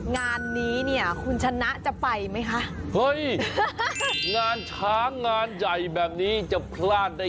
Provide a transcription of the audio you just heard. งานนี้เนี่ยคุณชนะจะไปไหมคะเฮ้ยงานช้างงานใหญ่แบบนี้จะพลาดได้